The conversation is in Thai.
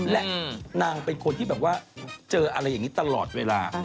และนางเป็นคนที่แบบว่าเจออะไรอย่างนี้ตลอดเวลา